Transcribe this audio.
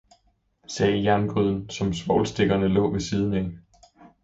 ' sagde jerngryden, som svovlstikkerne lå ved siden af.